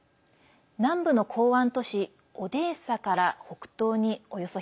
南部の港湾都市オデーサから北東に、およそ１００ｋｍ。